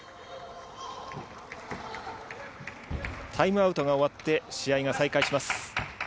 タイムアウトが終わって試合が再開します。